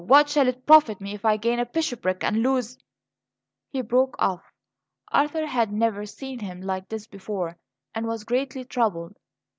what shall it profit me if I gain a bishopric and lose " He broke off. Arthur had never seen him like this before, and was greatly troubled.